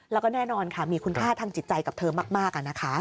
แล้วก็แน่นอนค่ะมีคุณค่าทางจิตใจกับเธอมากนะคะ